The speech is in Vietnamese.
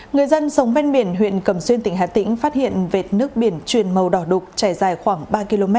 người dân sống ven biển huyện cầm xuyên tỉnh hà tĩnh phát hiện vệt nước biển truyền màu đỏ đục trải dài khoảng ba km